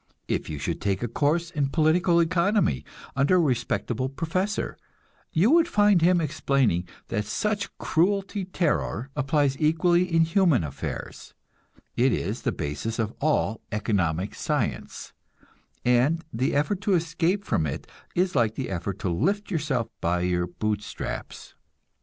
If you should take a course in political economy under a respectable professor, you would find him explaining that such cruelty terror applies equally in human affairs; it is the basis of all economic science, and the effort to escape from it is like the effort to lift yourself by your boot straps.